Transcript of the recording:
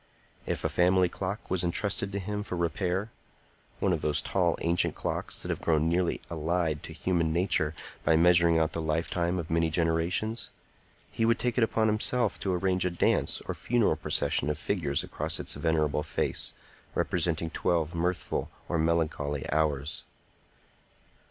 If a family clock was intrusted to him for repair,—one of those tall, ancient clocks that have grown nearly allied to human nature by measuring out the lifetime of many generations,—he would take upon himself to arrange a dance or funeral procession of figures across its venerable face, representing twelve mirthful or melancholy hours.